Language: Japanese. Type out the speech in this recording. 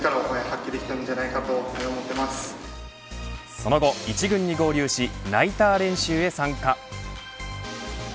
その後、一軍に合流しナイター練習へ参加。